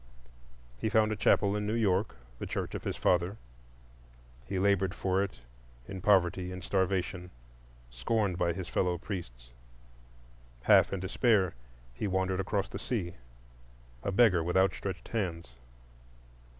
He found a chapel in New York,—the church of his father; he labored for it in poverty and starvation, scorned by his fellow priests. Half in despair, he wandered across the sea, a beggar with outstretched hands.